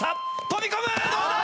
飛び込む！